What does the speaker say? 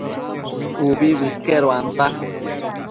Ubi bëqueduanta